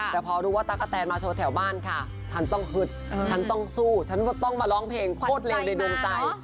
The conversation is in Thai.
แต่พอรู้ว่าตั๊กกะแตนมาโชว์แถวบ้านค่ะฉันต้องฮึดฉันต้องสู้ฉันก็ต้องมาร้องเพลงโคตรเร็วในดวงใจ